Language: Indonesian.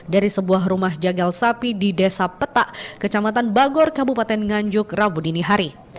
dari sebuah rumah jagal sapi di desa petak kecamatan bagor kabupaten nganjuk rabu dinihari